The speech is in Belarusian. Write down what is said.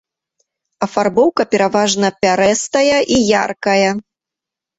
Афарбоўка пераважна пярэстая і яркая.